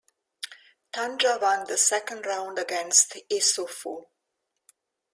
Tandja won the second round against Issoufou.